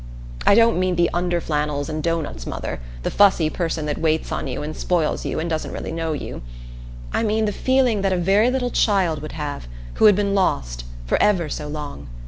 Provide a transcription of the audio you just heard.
I don't mean the underflannels and doughnuts mother, the fussy person that waits on you and spoils you and doesn't really know you. I mean the feeling that a very little child would have, who had been lost for ever so long.